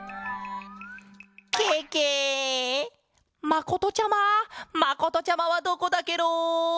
まことちゃままことちゃまはどこだケロ！